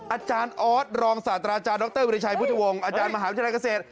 อาจารย์ออสรองศาสตราจารย์ดรวิริชัยพุทธวงศ์อาจารย์มหาวิทยาลัยเกษตร